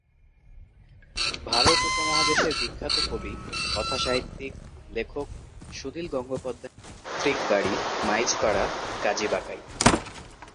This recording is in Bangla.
ভারত উপমহাদেশের বিখ্যাত কবি, কথা সাহিত্যিক, লেখক সুনীল গঙ্গোপাধ্যায়ের পৈত্রিকবাড়ী, মাইজপাড়া, কাজীবাকাই।